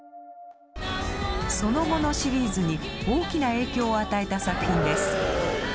その後のシリーズに大きな影響を与えた作品です。